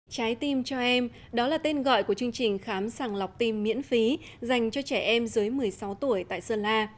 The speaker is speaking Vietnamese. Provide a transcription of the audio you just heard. trái tim cho em đó là tên gọi của chương trình khám sàng lọc tim miễn phí dành cho trẻ em dưới một mươi sáu tuổi tại sơn la